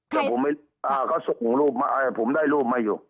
แต่เขาส่งรูปมาผมได้รูปมาอยู่